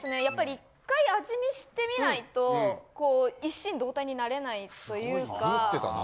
やっぱり１回味見してみないと一心同体になれないというか。